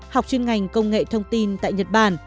học chuyên ngành công nghệ thông tin tại nhật bản